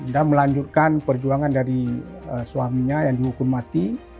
dan melanjutkan perjuangan dari suaminya yang dihukum mati